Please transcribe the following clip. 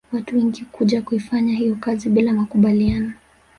Watu wengine kuja kuifanya hiyo kazi bila makubaliano